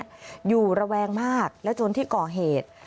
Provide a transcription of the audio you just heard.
อยู่ระแวงมากและจนที่ก่อเหตุ